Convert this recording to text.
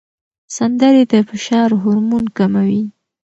سندرې د فشار هورمون کموي.